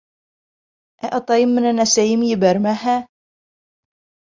— Ә атайым менән әсәйем ебәрмәһә?